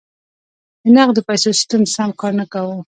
د نغدو پیسو سیستم سم کار نه کاوه.